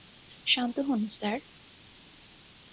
শান্ত হোন, স্যার।